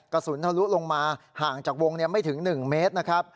กระสุนทะลุลงมาห่างจากวงไม่ถึง๑เมตรนะครับ